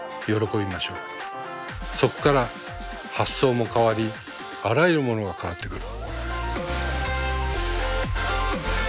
そこから発想も変わりあらゆるものが変わってくる。